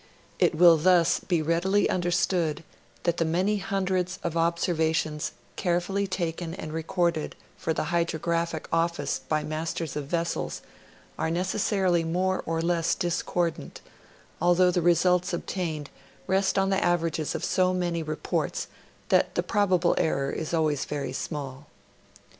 It will thus be readily understood that the many hundreds of observa tions carefully taken and recorded for the Hydrographic Office by masters of vessels are necessarily more or less discordant, although the results obtained rest on the averages of so many reports that the probable error is always very small.